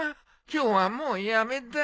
今日はもうやめだ。